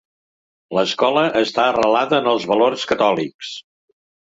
L'escola està arrelada en els valors catòlics.